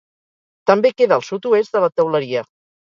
També queda al sud-oest de la Teuleria.